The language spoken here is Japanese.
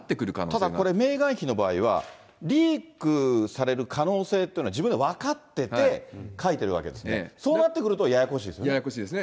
ただこれ、メーガン妃の場合は、リークされる可能性っていうのは自分で分かってて、書いているわけですから、そうなってくるとややこしいですね。